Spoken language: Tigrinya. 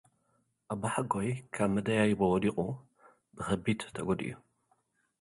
ኣባሓጐይ ካብ መደያይቦ ወዲቑ ብኸቢድ ተጐዲኡ።